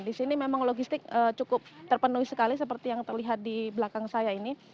di sini memang logistik cukup terpenuhi sekali seperti yang terlihat di belakang saya ini